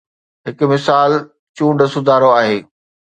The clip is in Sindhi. هڪ مثال چونڊ سڌارو آهي.